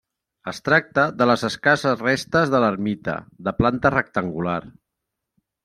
Es tracta de les escasses restes de l'ermita, de planta rectangular.